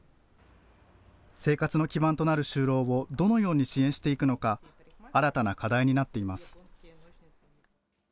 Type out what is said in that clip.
生活の基盤となる就労を、どのように支援していくのか、新たな課題になっています。